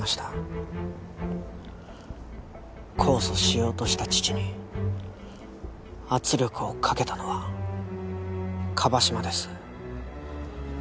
控訴しようとした父に圧力をかけたのは椛島です。